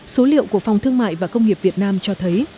số liệu của phòng thương mại và công nghiệp việt nam cho thấy